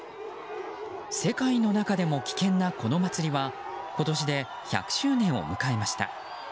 世界の中でも危険なこの祭りは今年で１００周年を迎えました。